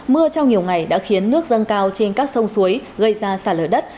mưa trong nhiều ngày đã khiến nước dâng cao trên các sông suối gây ra sạt lở đất